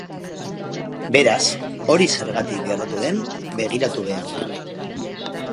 Beraz, hori zergatik gertatu den begiratu behar da.